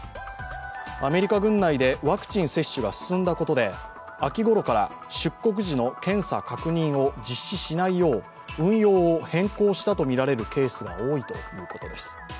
アメリカ軍内でワクチン接種が進んだことで秋ごろから出国時の検査確認を実施しないよう運用を変更したとみられるケースが多いということです。